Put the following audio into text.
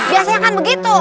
biasanya kan begitu